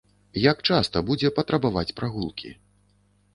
Як часта будзе патрабаваць прагулкі?